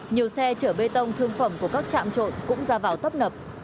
nhiều xe chở bê tông thương phẩm của các trạm trộn cũng ra vào tấp nập